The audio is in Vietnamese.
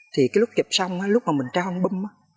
thì cái lúc chụp xong lúc mà mình trao ông bâm